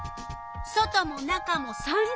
外も中も３０℃。